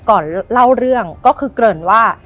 ก่อนเล่าเรื่องก็คือเกริ่นว่า